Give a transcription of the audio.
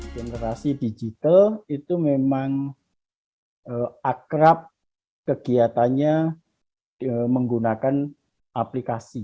generasi digital itu memang akrab kegiatannya menggunakan aplikasi